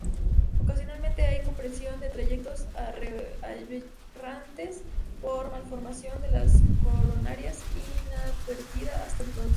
Ocasionalmente hay compresión de trayectos aberrantes por malformación de las coronarias, inadvertida hasta entonces.